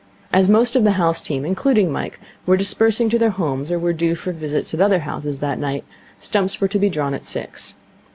As most of the house team, including Mike, were dispersing to their homes or were due for visits at other houses that night, stumps were to be drawn at six.